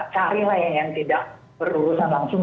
carilah yang tidak berurusan langsung